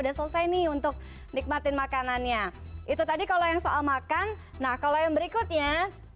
udah selesai nih untuk nikmatin makanannya itu tadi kalau yang soal makan nah kalau yang berikutnya